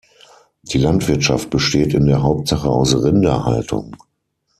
Die Landwirtschaft besteht in der Hauptsache aus Rinderhaltung.